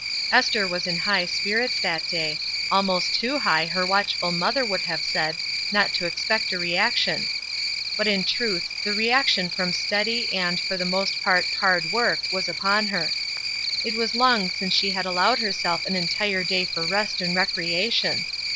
Esther was in high spirits that day; almost too high, her watchful mother would have said, not to expect a reaction. But in truth the reaction from steady and, for the most part, hard work, was upon her. It was long since she had allowed herself an entire day for rest and recreation.